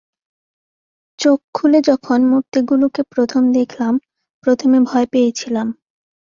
চোখ খুলে যখন মূর্তিগুলোকে প্রথম দেখলাম, প্রথমে ভয় পেয়েছিলাম।